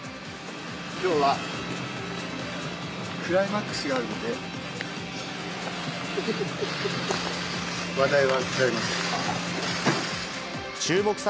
きょうはクライマックスがあるので、話題は控えます。